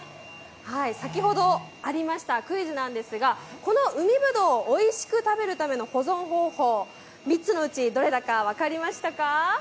先ほど、ありましたクイズなんですがこの海ぶどうをおいしく食べるための保存方法３つのうち、どれだか分かりましたか？